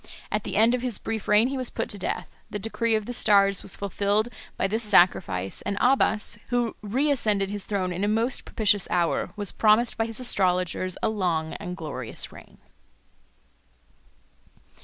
At the end of his brief reign he was put to death: the decree of the stars was fulfilled by this sacrifice; and Abbas, who reascended his throne in a most propitious hour, was promised by his astrologers a long and glorious reign.